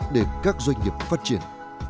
để các doanh nghiệp phát triển